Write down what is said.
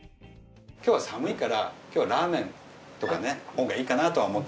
今日は寒いから今日はラーメンとかのほうがいいかなと思って。